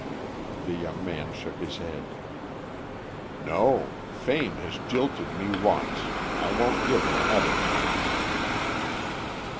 The young man shook his head. "No. Fame has jilted me once. I won't give her another chance."